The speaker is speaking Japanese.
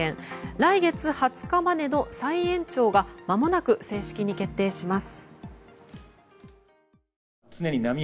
来月２０日までの再延長がまもなく正式に決定します。